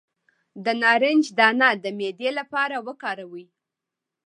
د نارنج دانه د معدې لپاره وکاروئ